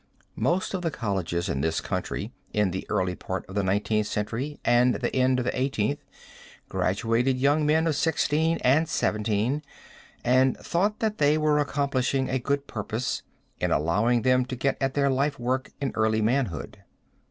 Most of the colleges in this country, in the early part of the nineteenth century and the end of the eighteenth, graduated young men of 16 and 17 and thought that they were accomplishing a good purpose, in allowing them to get at their life work in early manhood.